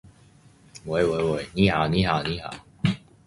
死神的聖物